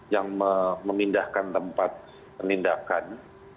yang memindahkan tempat menindahkan